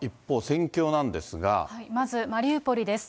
まずマリウポリです。